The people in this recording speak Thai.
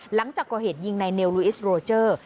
หลังจากก่อเหตุยิงในเนลลูอิสโรเจอร์